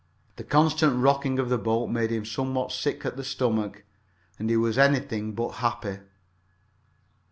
The constant rocking of the boat made him somewhat sick at the stomach, and he was anything but happy.